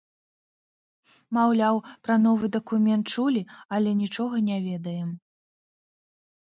Маўляў, пра новы дакумент чулі, але нічога не ведаем.